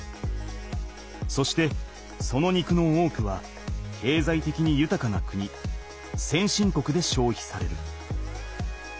そしてその肉の多くはけいざいてきにゆたかな国先進国でしょうひされる。